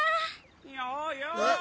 ようよう！